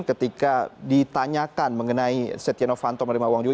ketika ditanyakan mengenai setia novanto menerima uang juga